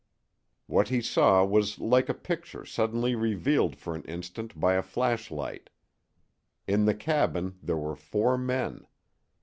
What he saw was like a picture suddenly revealed for an instant by a flashlight. In the cabin there were four men.